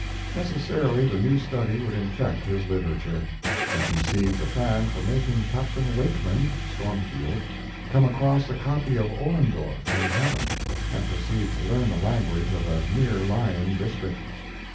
Necessarily the new study would infect his literature. He conceived a plan for making Captain Wakeman (Stormfield) come across a copy of Ollendorf in Heaven, and proceed to learn the language of a near lying district.